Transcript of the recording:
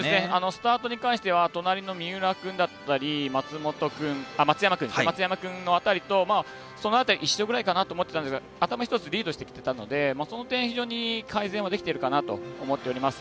スタートに関しては隣の三浦君だったり松山君のあたりと、その辺りと一緒ぐらいかなと思ってたんですが頭１つリードしてきてたのでその点、非常に改善はできているかなと思っております。